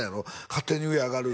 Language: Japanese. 「勝手に上上がる」